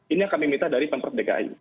ini yang kami minta dari pemprov dki